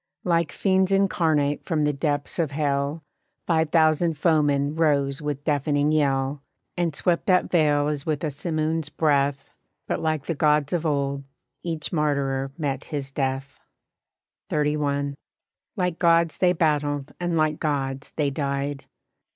Like fiends incarnate from the depths of hell Five thousand foemen rose with deafening yell, And swept that vale as with a simoon's breath, But like the gods of old, each martyr met his death. XXXI. Like gods they battled and like gods they died.